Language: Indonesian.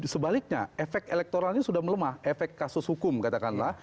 sebaliknya efek elektoralnya sudah melemah efek kasus hukum katakanlah